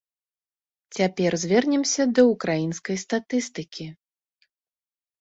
Цяпер звернемся да ўкраінскай статыстыкі.